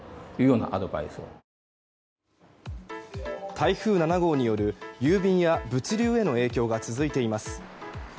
台風７号による郵便や物流などの影響が続いています。